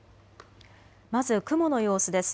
まず雲の様子です。